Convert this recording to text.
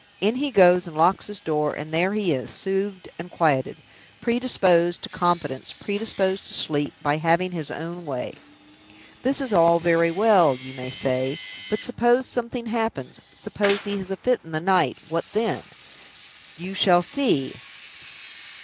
In he goes, and locks his door; and there he is, soothed and quieted, predisposed to confidence, predisposed to sleep, by having his own way. 'This is all very well,' you may say; 'but suppose something happens, suppose he has a fit in the night, what then?' You shall see!